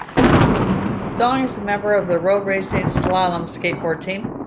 Dong is a member of the RoeRacing Slalom Skateboard Team.